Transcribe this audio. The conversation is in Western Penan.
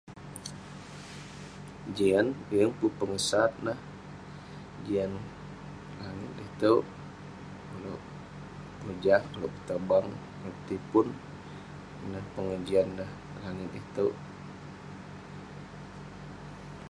Jian yeng pun pengesat neh Jian langit itouk. Ulouk pojah, ulouk petobang, petipun, ineh pegejian langit itouk.